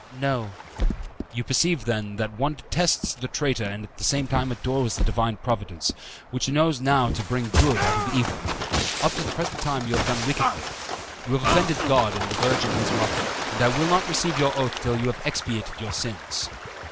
"No." "You perceive, then, that one detests the traitor and at the same time adores the Divine Providence, which knows how to bring good out of evil. Up to the present time you have done wickedly. You have offended God and the Virgin His Mother, and I will not receive your oath till you have expiated your sins."